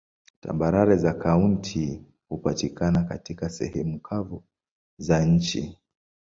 Tambarare za kaunti hupatikana katika sehemu kavu za kaunti.